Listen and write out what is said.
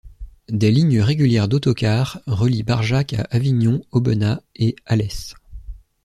Des lignes régulières d'autocar relient Barjac à Avignon, Aubenas et Alès.